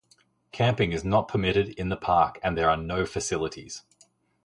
Camping is not permitted in the park and there are no facilities.